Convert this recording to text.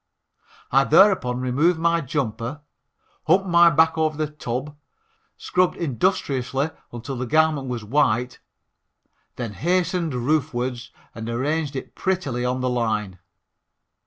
I thereupon removed my jumper, humped my back over the tub, scrubbed industriously until the garment was white, then hastened roofwards and arranged it prettily on the line.